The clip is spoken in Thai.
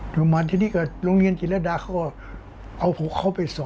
ถึงมาที่นี่ก็โรงเรียนจิตรดาเขาก็เอาพวกเขาไปสอนจิตรดา